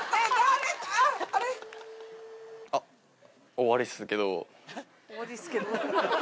「終わりっすけど」。